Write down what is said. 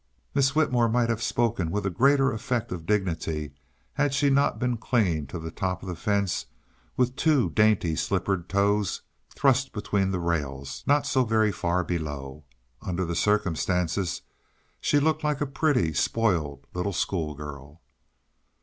Miss Whitmore might have spoken with a greater effect of dignity had she not been clinging to the top of the fence with two dainty slipper toes thrust between the rails not so very far below. Under the circumstances, she looked like a pretty, spoiled little schoolgirl.